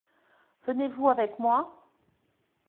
Venez-vous avec moi ?